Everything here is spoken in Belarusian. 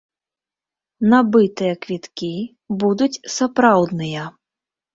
Набытыя квіткі будуць сапраўдныя.